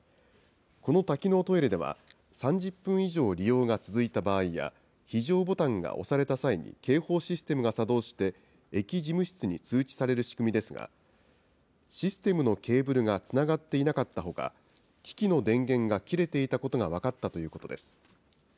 この多機能トイレでは、３０分以上利用が続いた場合や、非常ボタンが押された際に、警報システムが作動して、駅事務室に通知される仕組みですが、システムのケーブルがつながっていなかったほか、機器の電源が切れていたということが分かったということです。